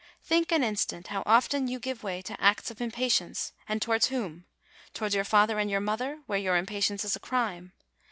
Think an instant how often you give way to acts of im patience, and towards whom? towards your father and your mother, where your impatience is a crime.